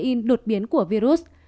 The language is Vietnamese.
protein đột biến của virus